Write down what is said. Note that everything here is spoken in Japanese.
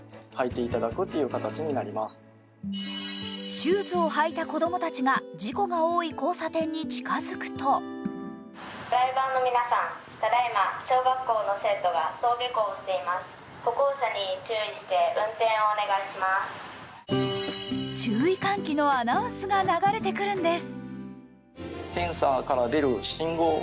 シューズを履いた子供たちが事故の多い交差点に近づくと注意喚起のアナウンスが流れてくるんです。